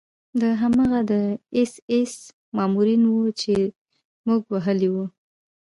دا هماغه د اېس ایس مامورین وو چې موږ وهلي وو